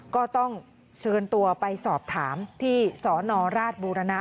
ก็ต้องเชิญตัวไปสอบถามที่สนราชบูรณะ